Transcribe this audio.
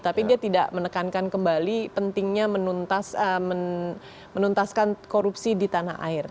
tapi dia tidak menekankan kembali pentingnya menuntaskan korupsi di tanah air